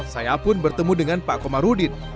saya pun bertemu dengan pak komarudin